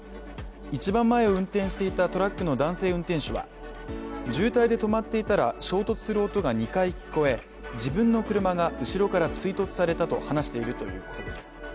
一番前を運転していたトラックの男性運転手は渋滞で止まっていたら衝突する音が２回聞こえ自分の車が後ろから追突されたと話しているということです。